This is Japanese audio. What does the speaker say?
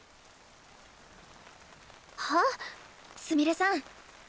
すみれさん。